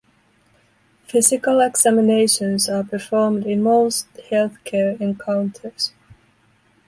Physical examinations are performed in most healthcare encounters.